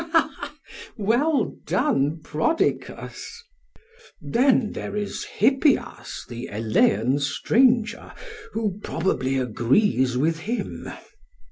PHAEDRUS: Well done, Prodicus! SOCRATES: Then there is Hippias the Elean stranger, who probably agrees with him.